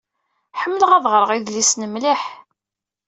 Ḥemmleɣ ad ɣṛeɣ idlisen mliḥ.